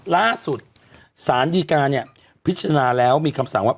ล่าสุดสารดีการเนี่ยพิจารณาแล้วมีคำสั่งว่า